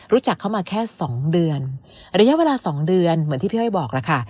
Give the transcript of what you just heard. รู้จักเขามาแค่สองเดือนระยะเวลาสองเดือนเหมือนที่พี่อ้อยบอกแล้วค่ะ